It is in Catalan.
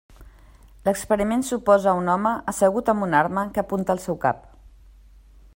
L'experiment suposa un home assegut amb una arma que apunta al seu cap.